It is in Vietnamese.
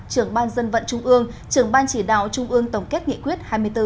trưởng ban dân vận trung ương trưởng ban chỉ đạo trung ương tổng kết nghị quyết hai mươi bốn